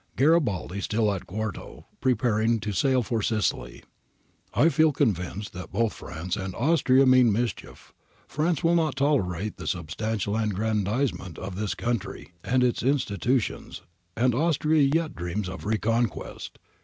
[Gari baldi still at Quarto, preparing to sail for Sicily,] ' I ft.el convinced that both France and Austria mean mischief, France will not tolerate the substantial aggrandise ment ,of this country [Piedmont] and its institutions, and Austria yet dreams of reconquest.